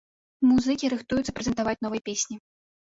Музыкі рыхтуюцца прэзентаваць новыя песні.